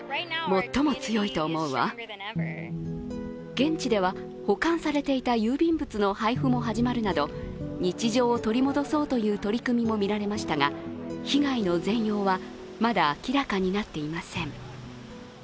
現地では保管されていた郵便物の配布も始まるなど日常を取り戻そうという取り組みもみられましたが被害の全容はまだ明らかになっていません。